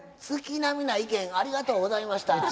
月並みな意見ありがとうございました。